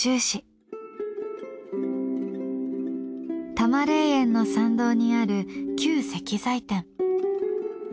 多磨霊園の参道にある旧石材店。